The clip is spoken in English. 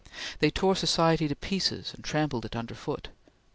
They tore society to pieces and trampled it under foot.